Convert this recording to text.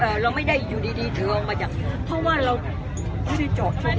เอ่อเราไม่ได้อยู่ดีเดี๋ยวออกมาจากเพราะว่าเราไม่ได้เจาะชมเลย